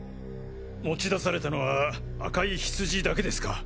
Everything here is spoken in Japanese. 持ち出されたのは赤いヒツジだけですか？